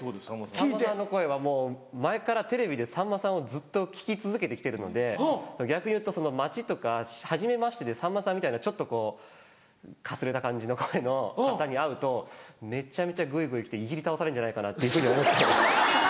さんまさんの声はもう前からテレビでさんまさんをずっと聞き続けて来てるので逆にいうと街とかはじめましてでさんまさんみたいなちょっとかすれた感じの声の方に会うとめちゃめちゃグイグイ来ていじり倒されるんじゃないかな。